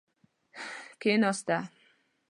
کیناسته.